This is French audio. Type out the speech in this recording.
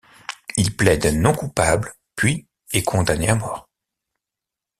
Il plaide non coupable puis est condamné à mort.